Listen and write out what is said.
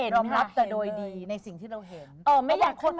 รองรับแต่โดยดีในสิ่งที่เราเห็น